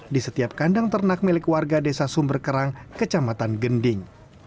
di setiap kandang ternak milik warga desa sumberkerang kecamatan gending